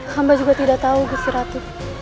kamba juga tidak tahu guzriratul